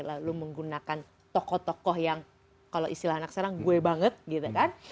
lalu menggunakan tokoh tokoh yang kalau istilah anak sekarang gue banget gitu kan